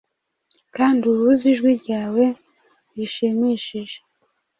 Kandi uhuze ijwi ryawe rishimishije